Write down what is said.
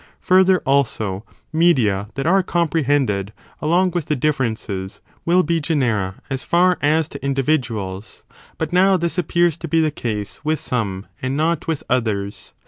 Further, also, media that are comprehended along with the differences will be genera as far as to indi viduals; but now this appears to be the case with some, and not with others.